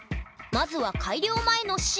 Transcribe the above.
まずは改良前の「塩」！